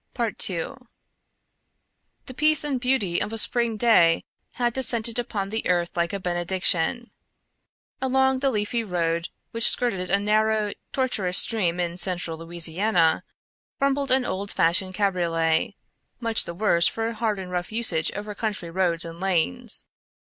II The peace and beauty of a spring day had descended upon the earth like a benediction. Along the leafy road which skirted a narrow, tortuous stream in central Louisiana, rumbled an old fashioned cabriolet, much the worse for hard and rough usage over country roads and lanes.